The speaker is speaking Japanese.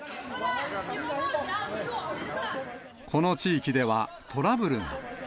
この地域では、トラブルが。